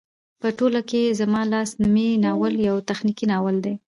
په ټوله کې زما لاس نومی ناول يو تخنيکي ناول دى